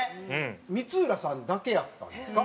光浦さんだけやったんですか？